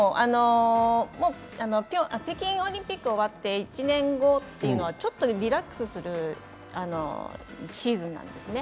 北京オリンピック終わって１年後というのはちょっとリラックスするシーズンなんですね。